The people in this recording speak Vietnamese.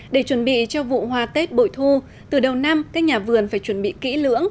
để chuẩn bị cho vụ hoa tết bội thu từ đầu năm các nhà vườn phải chuẩn bị kỹ lưỡng